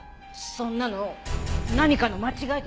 そんなの何かの間違いです。